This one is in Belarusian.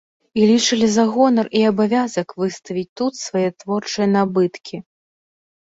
І лічылі за гонар і абавязак выставіць тут свае творчыя набыткі.